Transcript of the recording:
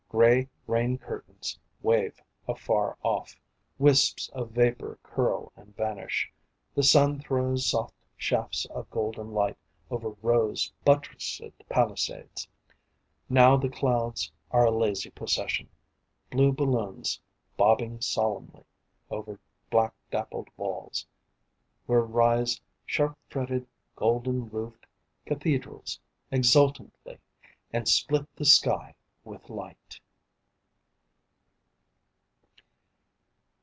Grey rain curtains wave afar off, Wisps of vapour curl and vanish. The sun throws soft shafts of golden light Over rose buttressed palisades. Now the clouds are a lazy procession; Blue balloons bobbing solemnly Over black dappled walls, Where rise sharp fretted, golden roofed cathedrals Exultantly, and split the sky with light.